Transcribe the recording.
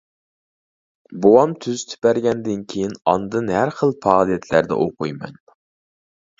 بوۋام تۈزىتىپ بەرگەندىن كىيىن، ئاندىن ھەر خىل پائالىيەتلەردە ئوقۇيمەن.